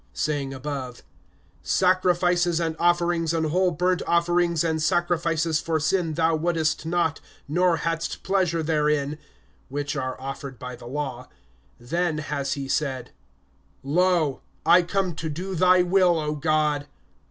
(8)Saying above, Sacrifices and offerings and whole burnt offerings and sacrifices for sin thou wouldest not, nor hadst pleasure therein, which are offered by the law, (9)then has he said: Lo, I come to do thy will, O God.